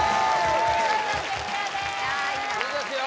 お見事クリアですいいですよ